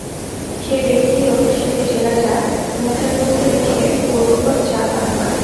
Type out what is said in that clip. সে ব্যক্তিও সে ডেলাটা মুখের মধ্যে রেখে পূর্ববৎ চা পান করে।